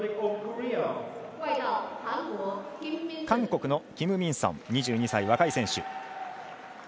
韓国のキム・ミンソン、２２歳若い選手。